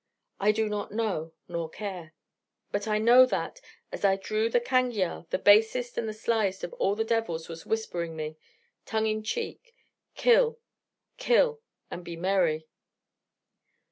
I do not know, nor care: but I know that, as I drew the cangiar, the basest and the slyest of all the devils was whispering me, tongue in cheek: 'Kill, kill and be merry.'